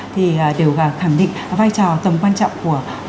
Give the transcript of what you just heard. thì đều khẳng định vai trò tầm quan trọng của